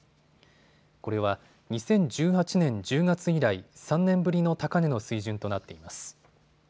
これは２０１８年１０月以来、３年ぶりの高値の水準となっています。